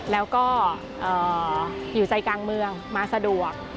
แล้วก็อยู่ใจกลางเมืองมาสะดวก